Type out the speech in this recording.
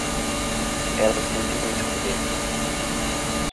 Ela sente muito por ele.